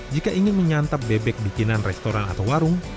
jika ingin menyantap bebek bikinan restoran atau warung